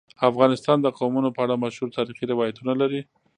افغانستان د قومونه په اړه مشهور تاریخی روایتونه لري.